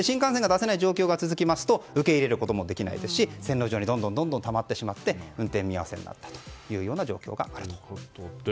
新幹線が出せない状況が続きますと受け入れることもできませんし線路上にどんどんたまってしまって運転見合わせになったという状況があるということです。